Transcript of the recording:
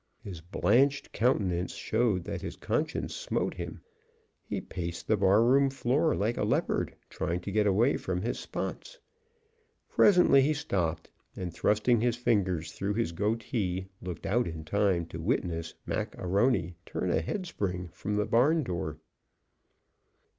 His blanched countenance showed that his conscience smote him. He paced the barroom floor like a leopard trying to get away from his spots. Presently he stopped, and, thrusting his fingers through his goatee, looked out in time to witness Mac A'Rony turn a headspring from the barn door.